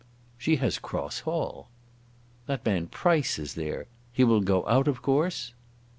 "She has Cross Hall." "That man Price is there. He will go out of course?"